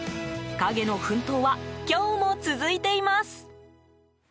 陰の奮闘は今日も続いています！